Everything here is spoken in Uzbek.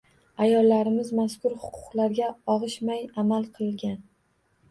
Ayollarimiz mazkur huquqlarga og‘ishmay amal qilgan.